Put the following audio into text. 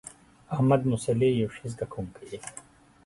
احمدمصلح یو ښه زده کوونکی دی.